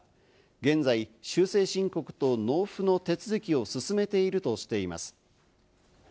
現在、修正申告と納付の手続きを進めているとしています。